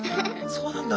そうなんだ。